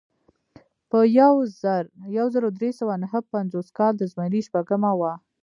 په یو زر درې سوه نهه پنځوس کال د زمري شپږمه وه.